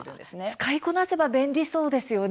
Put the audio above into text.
使いこなせば便利そうですね。